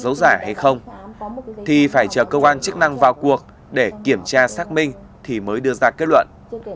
để hiểu thật sự là dấu giả hay không thì phải chờ cơ quan chức năng vào cuộc để kiểm tra xác minh thì mới đưa ra kết luận